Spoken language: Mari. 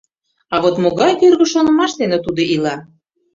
А вот могай кӧргӧ шонымаш дене тудо ила?